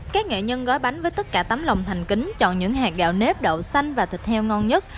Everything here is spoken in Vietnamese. các nghệ nhân gói bánh với tất cả tấm lòng thành kính chọn những hạt gạo nếp đậu xanh và thịt heo ngon nhất